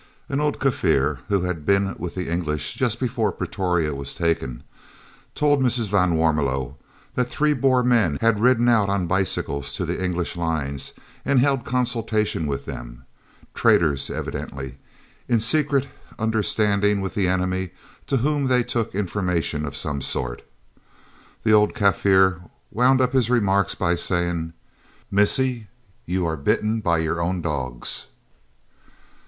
An old Kaffir, who had been with the English just before Pretoria was taken, told Mrs. van Warmelo that three Boer men had ridden out on bicycles to the English lines, and held consultation with them traitors evidently, in secret understanding with the enemy, to whom they took information of some sort. The old Kaffir wound up his remarks by saying: "Missis, you are bitten by your own dogs."